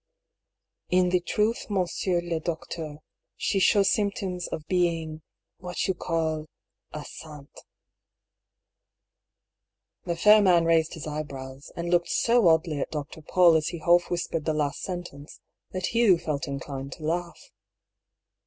In the truth, mon sieur le docteur, she shows symptoms of being, what you call, a sainte.^^ The fair man raised his eyebrows, and looked so oddly at Dr. Paull as he half whispered the last sen tence, that Hugh felt inclined to laugh.